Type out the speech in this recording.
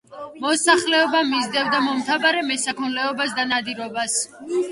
მოსახლეობა მისდევდა მომთაბარე მესაქონლეობას და ნადირობას.